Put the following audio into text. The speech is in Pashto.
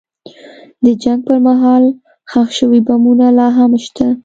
د جنګ پر مهال ښخ شوي بمونه لا هم شته.